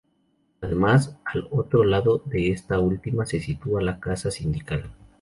Además, al otro lado de esta última se sitúa la Casa Sindical.